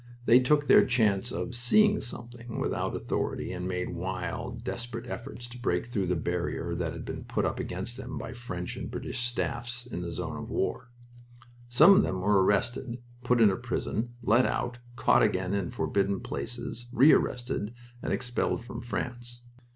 They took their chance of "seeing something," without authority, and made wild, desperate efforts to break through the barrier that had been put up against them by French and British staffs in the zone of war. Many of them were arrested, put into prison, let out, caught again in forbidden places, rearrested, and expelled from France.